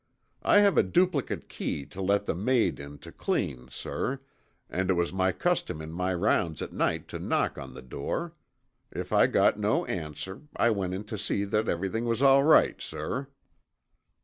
I have a duplicate key to let the maid in to clean, sir, and it was my custom in my rounds at night to knock on the door. If I got no answer I went in to see that everything was all right, sir."